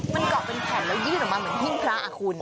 มันเกาะเป็นแผ่นแล้วยื่นออกมาเหมือนหิ้งพระอ่ะคุณ